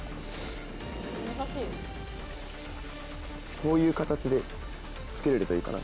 こういう形でつけれるといいかな。